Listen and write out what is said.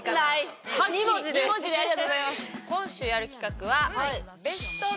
今週やる企画は。